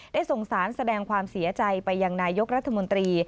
ได้ส่งสารแสดงความเสียใจไปยังนายกรัฐมนตรี